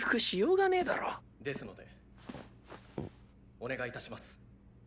お願い致します。